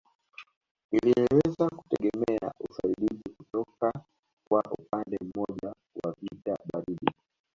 Iliweza kutegemea usaidizi kutoka kwa upande mmoja wa vita baridi